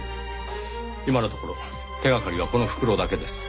今のところ手掛かりはこの袋だけです。